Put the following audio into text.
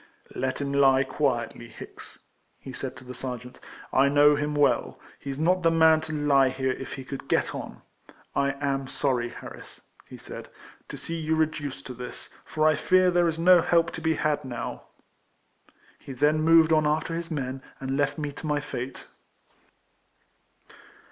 "Let him die quietly, Hicks," he said to the sergeant. " I know him well ; he 's not the man to lie here if he could get on. — I am sorry, Harris," he said, " to see you reduced to this, for I fear there is no help to be had now." He then moved on after his men, and left me to my fate.